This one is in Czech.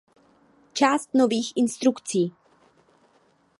Část nových instrukcí.